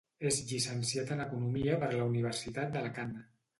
És llicenciat en economia per la Universitat d'Alacant.